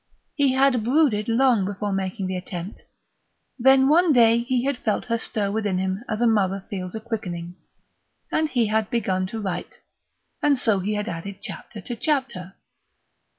He had brooded long before making the attempt; then one day he had felt her stir within him as a mother feels a quickening, and he had begun to write; and so he had added chapter to chapter....